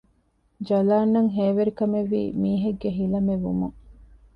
ޖަލާންއަށް ހޭވެރިކަމެއްވީ މީހެއްގެ ހިލަމެއްވުމުން